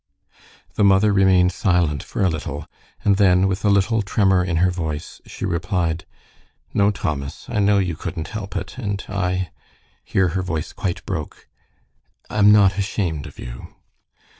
The mother remained silent for a little, and then, with a little tremor in her voice, she replied: "No, Thomas, I know you couldn't help it, and I " here her voice quite broke "I am not ashamed of you."